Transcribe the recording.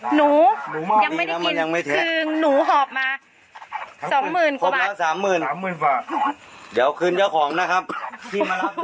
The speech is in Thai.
หนูยังไม่ได้กินคือหนูหอบมาสามหมื่นกว่าบาทครบแล้วสามหมื่นสามหมื่นบาทเดี๋ยวคืนเยอะของนะครับที่มารับ